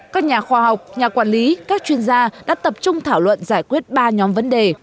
các nhà khoa học nhà quản lý các chuyên gia đã tập trung thảo luận giải quyết ba nhóm vấn đề